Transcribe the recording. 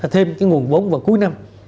thêm cái nguồn vốn vào cuối năm